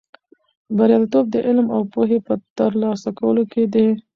بریالیتوب د علم او پوهې په ترلاسه کولو کې دی.